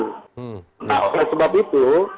nah oleh sebab itu